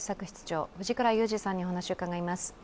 室長、藤倉雄二さんにお話を伺います。